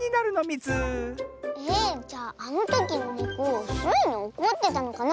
えじゃああのときのネコスイにおこってたのかな？